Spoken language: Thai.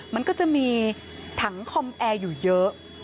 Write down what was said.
มันก็จะมีถังคอมแอร์อยู่เยอะ